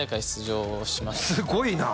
すごいな！